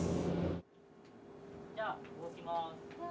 じゃあ動きます。